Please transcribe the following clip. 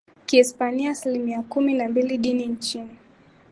Kihispania asilimia kumi na mbili Dini Nchini